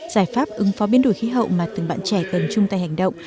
giải pháp ứng phó biến đổi khí hậu mà từng bạn trẻ cần chung tay hành động